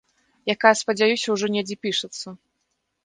Якая, спадзяюся, ўжо недзе пішацца.